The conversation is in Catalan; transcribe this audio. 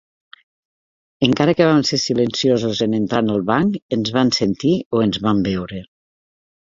Encara que vam ser silenciosos en entrar en el banc, ens van sentir o ens van veure.